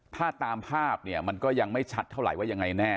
ถ้าตามภาพเนี่ยมันก็ยังไม่ชัดเท่าไหร่ว่ายังไงแน่